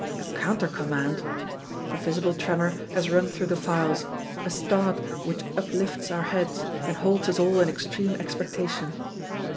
A counter command! A visible tremor has run through the files, a start which uplifts our heads and holds us all in extreme expectation.